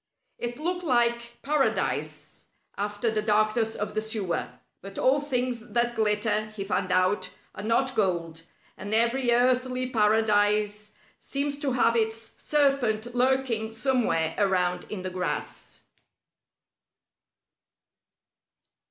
It looked like Paradise after the darkness of the sewer; but all things that glitter, he found out, are not gold, and every earthly Paradise seems to have its serpent lurking somewhere around in the grass.